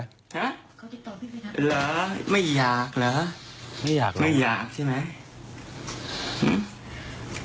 ฮะหรือไม่อยากหรือไม่อยากใช่ไหม